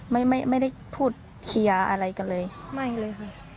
ไม่ไม่ไม่ได้พูดเคลียร์อะไรกันเลยไม่เลยค่ะ